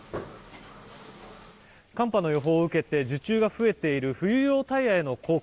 寒波の予報を受けて受注が増えている冬用タイヤへの交換。